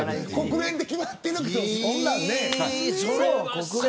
国連で決まっているけどそんなんね。